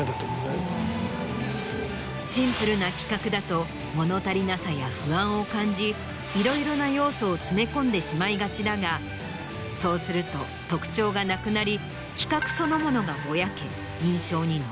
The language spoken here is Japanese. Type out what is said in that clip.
シンプルな企画だと物足りなさや不安を感じいろいろな要素を詰め込んでしまいがちだがそうすると特徴がなくなり。